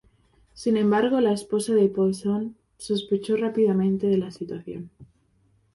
Sin embargo, la esposa de Poisson sospechó rápidamente de la situación.